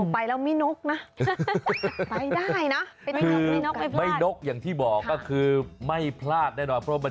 ไปแล้วไม่นกนะไปได้นะไม่นกอย่างที่บอกก็คือไม่พลาดแน่นอนเพราะมัน